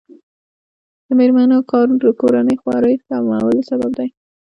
د میرمنو کار د کورنۍ خوارۍ کمولو سبب دی.